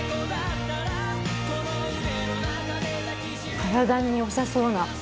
体によさそうな。